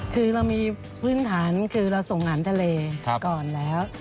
คือเรามีพื้นฐานคือเราส่งอาหารทะเลก่อนแล้ว